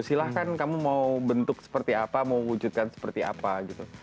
silahkan kamu mau bentuk seperti apa mau wujudkan seperti apa gitu